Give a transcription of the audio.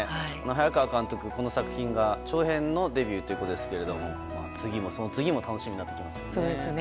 早川監督、この作品長編のデビューということですが次もその次も楽しみになってきますね。